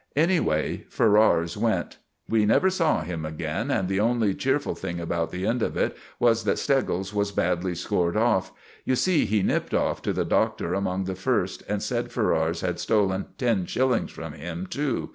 Anyway, Ferrars went. We never saw him again, and the only cheerful thing about the end of it was that Steggles was badly scored off. You see he nipped off to the Doctor among the first, and said Ferrars had stolen ten shillings from him too.